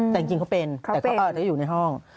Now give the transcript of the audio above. แต่จริงเขาเป็นแต่เขาจะอยู่ในห้อง